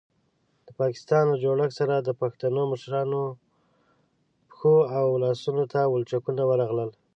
د پاکستان له جوړښت سره د پښتنو مشرانو پښو او لاسونو ته ولچکونه ورغلل.